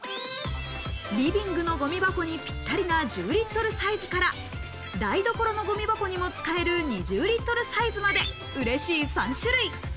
リビングのごみ箱にぴったりな１０リットルサイズから、台所のごみ箱にも使える２０リットルサイズまで、うれしい３種類。